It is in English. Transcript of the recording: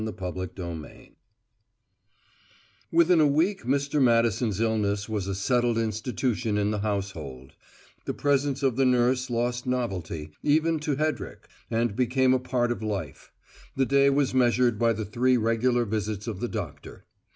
CHAPTER TWELVE Within a week Mr. Madison's illness was a settled institution in the household; the presence of the nurse lost novelty, even to Hedrick, and became a part of life; the day was measured by the three regular visits of the doctor.